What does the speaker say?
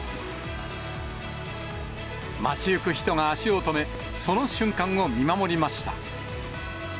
街行く人が足を止め、その瞬間を見守りました。